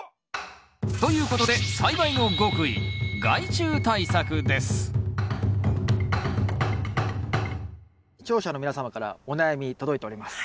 ということで視聴者の皆様からお悩み届いております。